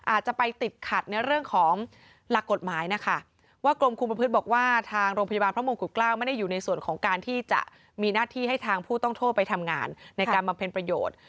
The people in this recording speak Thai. อาจจะไปติดขัดในเรื่องของหลักกฎหมายนะคะว่ากรมคุมประพฤติบอกว่าทางโรงพยาบาลพระมงกุฎเกล้าไม่ได้อยู่ในส่วนของการที่จะมีหน้าที่ให้ทางผู้ต้องโทษไปทำงานในการบำเพ็ญประโยชน์